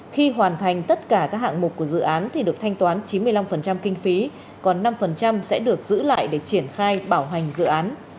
khi hoàn thành tất cả các hạng mục của dự án thì được thanh toán chín mươi năm kinh phí còn năm sẽ được giữ lại để triển khai bảo hành dự án